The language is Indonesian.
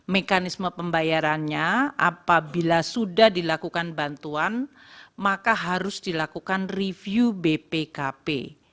mekanisme pembayarannya apabila sudah dilakukan bantuan maka harus dilakukan review bpkp